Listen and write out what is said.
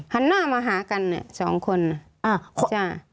หันหน้ามาหากันเนี่ยสองคนจ้ะ